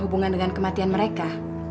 hubungan dengan kematian mereka